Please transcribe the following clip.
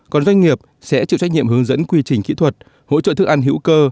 còn doanh nghiệp sẽ chịu trách nhiệm hướng dẫn quy trình kỹ thuật hỗ trợ thức ăn hữu cơ